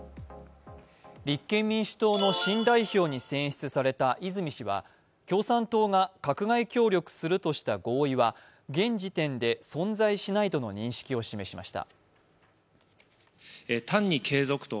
立憲民主党の新代表に選出された泉氏は共産党が閣外協力するとした合意は、現時点で存在しないとの認識を示しました。